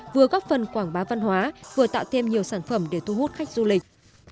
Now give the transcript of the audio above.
vừa góp phần quảng bá văn hóa vừa tạo thêm nhiều sản phẩm để thu hút khách du lịch